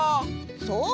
そう？